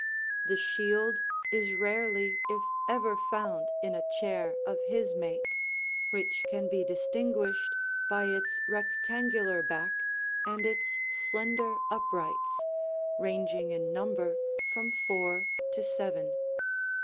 The shield is rarely if ever found in a chair of his make, which can be distinguished by its rectangular back and its slender uprights, ranging in number from four to seven.